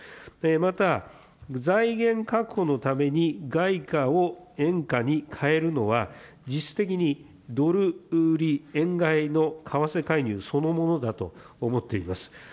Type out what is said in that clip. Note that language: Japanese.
また、財源確保のために外貨を円にかえるのは、実質的にドル売り円買いの為替介入そのものだと思っています。